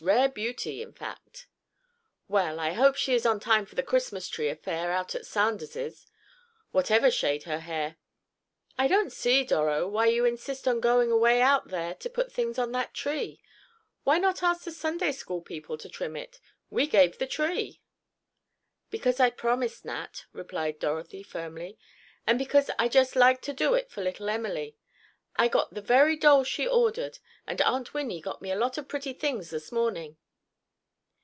Rare beauty, in fact." "Well, I hope she is on time for the Christmas tree affair out at Sanders's, whatever shade her hair. I don't see, Doro, why you insist on going away out there to put things on that tree. Why not ask the Sunday School people to trim it? We gave the tree." "Because I promised, Nat," replied Dorothy, firmly, "and because I just like to do it for little Emily. I got the very doll she ordered, and Aunt Winnie got me a lot of pretty things this morning."